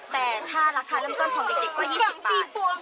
แต่ถ้าราคาร่ำกล้นของเด็กก็๒๐บาท